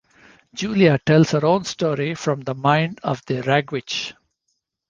Julia tells her own story from the mind of the Ragwitch.